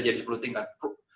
atau bisa jadi sepuluh tingkat